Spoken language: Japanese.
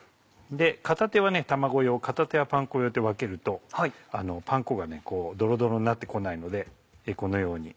片手は卵用片手はパン粉用って分けるとパン粉がドロドロになって来ないのでこのように。